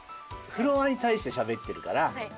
フロアに対してしゃべってるから。